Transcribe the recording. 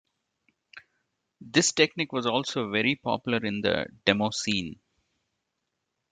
This technique was also very popular in the demoscene.